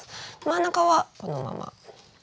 真ん中はこのまま。